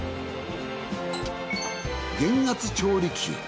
減圧調理器へ。